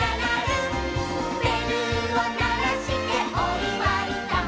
「べるをならしておいわいだ」